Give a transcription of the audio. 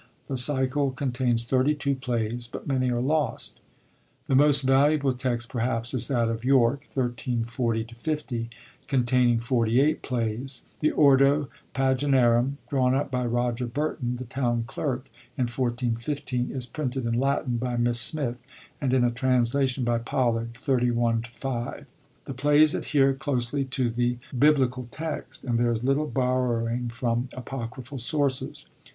The cycle contains 32 plays, but many are lost. The most valuable text perhaps is that of York (1340 50), containing 48 plays. The Ordo Paginarum, drawn up by Roger Burton, the town clerk, in 1415, is printed in Latin by Miss Smith, and in a translation by Pollard (xxxi. v.). The plays adhere closely to the Biblical text, and there is little . borrowing from apocryphal sources.